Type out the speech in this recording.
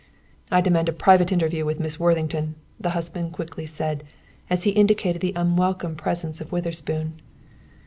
"I demand a private interview with Miss Worthington," the husband quickly said, as he indicated the unwelcome presence of Witherspoon.